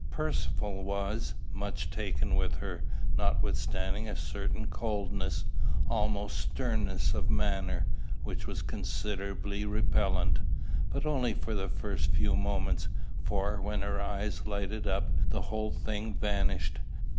Percivale was much taken with her, notwithstanding a certain coldness, almost sternness of manner, which was considerably repellent, but only for the first few moments, for, when her eyes lighted up, the whole thing vanished.